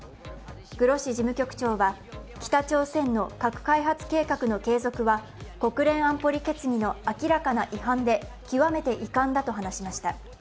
グロッシ事務局長は、北朝鮮の核開発計画の継続は国連安保理決議の明らかな違反で極めて遺憾だと話しました。